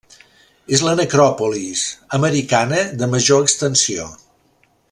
És la necròpolis americana de major extensió.